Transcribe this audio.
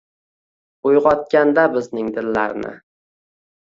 Uygʻotganda bizning dillarni.